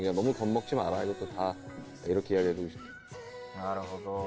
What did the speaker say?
なるほど。